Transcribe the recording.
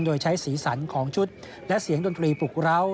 โดยใช้สีสันของชุดและเสียงดนตรีปลุกร้าว